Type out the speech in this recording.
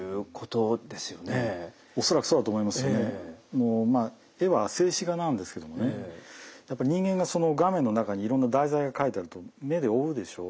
もうまあ絵は静止画なんですけどもねやっぱ人間がその画面の中にいろんな題材が描いてあると目で追うでしょう。